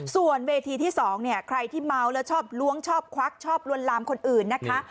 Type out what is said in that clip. ส่วนเวทีที่๒เนี่ยใครที่เมาแล้วชอบล้วงชอบควักชอบลวนลามคนอื่นนะคะ